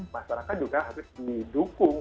masyarakat juga harus didukung